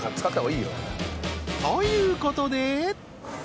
［ということで］